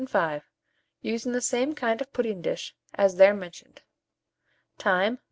605, using the same kind of pudding dish as there mentioned. Time.